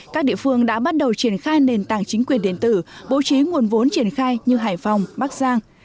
các địa phương đã bắt đầu triển khai nền tảng chính quyền điện tử bố trí nguồn vốn triển khai như hải phòng bắc giang